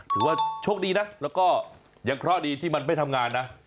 ถือว่าโชคดีนะแล้วก็ยังเคราะห์ดีที่มันไม่ทำงานนะ